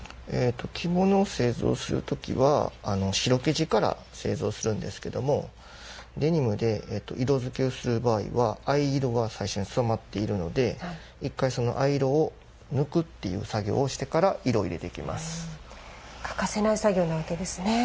着物を製造する時は白生地から製造するんですけどもデニムで色づけをする場合は藍色は最初に染まっているので１回その藍色を抜くっていう作業をしてから欠かせない作業なわけですね。